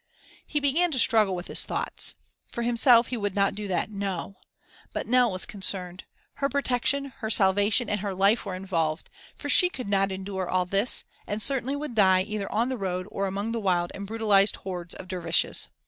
He began to struggle with his thoughts. For himself, he would not do that No! But Nell was concerned; her protection, her salvation, and her life were involved, for she could not endure all this, and certainly would die either on the road or among the wild and brutalized hordes of dervishes.